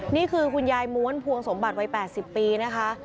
นี่คือคุณยายม้วนพวงสมบัติวัย๘๐ปีนะคะ